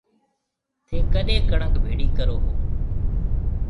ٿَي ڪڏيَ ڪڻڪ ڀيڙِي ڪرو هون۔